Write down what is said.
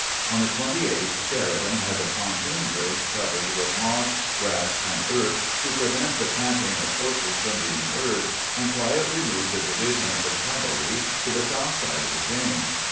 On the 28th Sheridan had the pontoon bridge covered with moss, grass, and earth to prevent the tramp ing of horses from being heard, and quietly moved a division of his cavalry to the south side of the James.